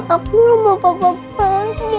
aku belum mau papa balik